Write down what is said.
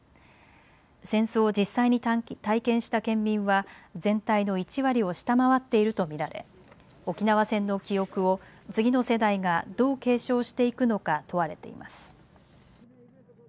戦争を実際に体験した県民は全体の１割を下回っていると見られ沖縄戦の記憶を次の世代がどう継承していくのか問われています。